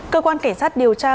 cơ quan cảnh sát điều tra